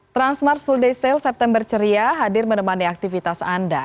transmart full day sale september ceria hadir menemani aktivitas anda